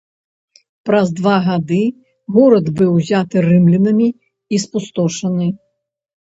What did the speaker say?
Праз два гады горад быў узяты рымлянамі і спустошаны.